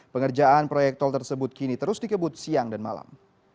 pengerjaan proyek tol tersebut kini terus dikebut siang dan malam